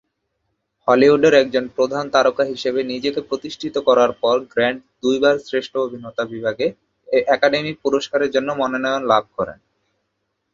হলিউডের একজন প্রধান তারকা হিসেবে নিজেকে প্রতিষ্ঠিত করার পর গ্র্যান্ট দুইবার শ্রেষ্ঠ অভিনেতা বিভাগে একাডেমি পুরস্কারের জন্য মনোনয়ন লাভ করেন।